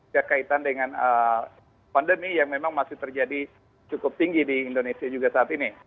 kekaitan dengan pandemi yang memang masih terjadi cukup tinggi di indonesia juga saat ini